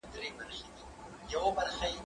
مرسته وکړه؟!